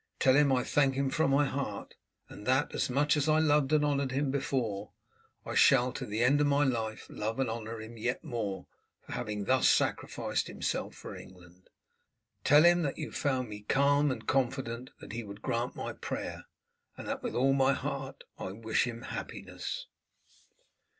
Tell him I thank him from my heart, and that, much as I loved and honoured him before, I shall to the end of my life love and honour him yet more for having thus sacrificed himself for England. Tell him that you found me calm and confident that he would grant my prayer, and that with all my heart I wish him happiness."